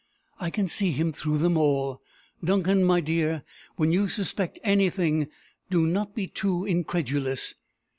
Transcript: I can see him through them all. Duncan, my dear, when you suspect anything, do not be too incredulous.